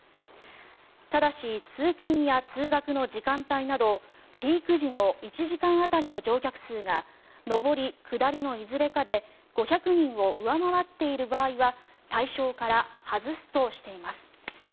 ただし、通勤や通学の時間帯などピーク時の１時間当たりの乗客数が上り下りのいずれかで５００人を上回っている場合は対象から外すとしています。